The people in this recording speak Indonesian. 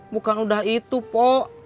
bukan udah itu pok